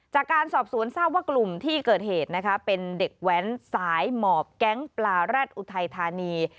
จากการสอบสวนทราบว่ากลุ่มที่เกิดเหตุนะคะเป็นเด็กแว้นสายหมอบแก๊งปลาแร็ดอุทัยธานี